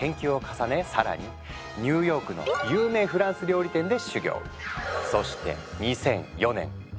更にニューヨークの有名フランス料理店で修業。